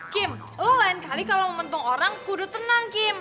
kim oh lain kali kalau momentum orang kudu tenang kim